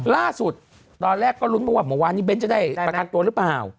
ล่าสุดตอนแรกก็ลุ้นมาว่าเมื่อวานนี้เบ้นจะได้ประกันตัวหรือเปล่า